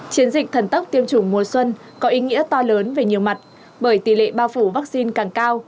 chiến dịch thần tốc tiêm chủng mùa xuân có ý nghĩa to lớn về nhiều mặt bởi tỷ lệ bao phủ vaccine càng cao